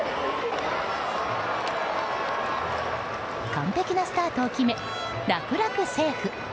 完璧なスタートを決め楽々セーフ！